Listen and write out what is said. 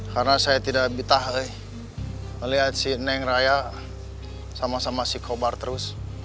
karena saya tidak bisa melihat si neng raya sama sama si kobar terus